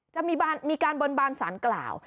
จะมีการบนบานสารกล่าว